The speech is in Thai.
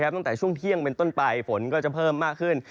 ตั้งแต่ช่วงเที่ยงเป็นต้นไปฝนก็จะเพิ่มมากขึ้น